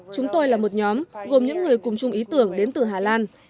chúng tôi là một nhóm gồm những người cùng chung ý tưởng đến từ hà lan